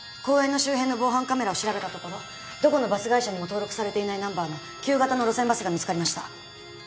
公園の周辺の防犯カメラを調べたところどこのバス会社にも登録されていないナンバーの旧型の路線バスが見つかりました。